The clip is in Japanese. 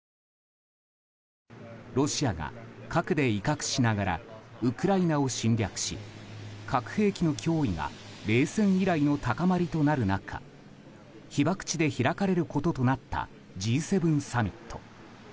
ロシアが核で威嚇しながらウクライナを侵略し核兵器の脅威が冷戦以来の高まりとなる中被爆地で開かれることとなったＧ７サミット。